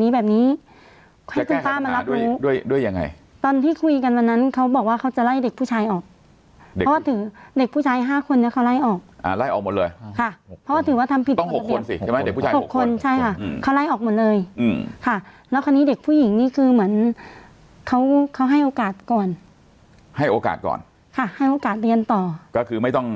นี้ค่ะด้วยด้วยยังไงตอนที่คุยกันวันนั้นเขาบอกว่าเขาจะไล่เด็กผู้ชายอ่ะหลายออกออกหมดเลยค่ะเพราะว่าถือว่าทำของตั้ง๖คนใช่ค่ะคณะให้โอกาสก่อน้าโอกาสก่อนเรียนต่อคือไม่ต้อง